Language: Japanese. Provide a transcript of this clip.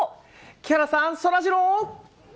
木原さん、そらジロー。